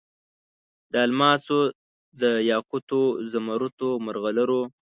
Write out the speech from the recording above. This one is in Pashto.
د الماسو، دیاقوتو، زمرودو، مرغلرو